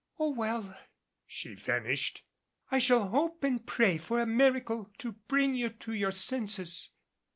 "Oh, well," she finished. "I shall hope and pray for a miracle to bring you to your senses."